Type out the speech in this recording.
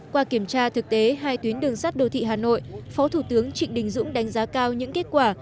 qua kiểm tra thực tế hai tuyến đường sắt đô thị hà nội phó thủ tướng trịnh đình dũng đánh giá cao những kết quả